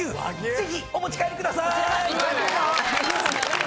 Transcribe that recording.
ぜひお持ち帰りくださーい！